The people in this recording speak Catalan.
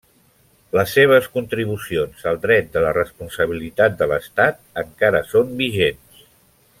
Les seves contribucions al dret de la responsabilitat de l'Estat, encara són vigents.